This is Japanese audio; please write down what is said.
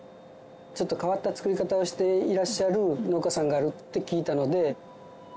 ちょっと変わった作り方をしていらっしゃる農家さんがあるって聞いたので。